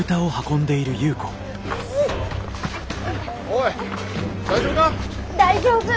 おい大丈夫か？